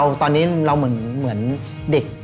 ก็ว่าตอนนี้เราเหมือนเด็ก